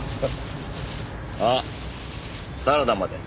あっサラダまで。